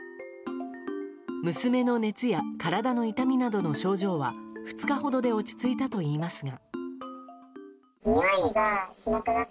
娘の熱や体の痛みなどの症状は２日ほどで落ち着いたといいますが。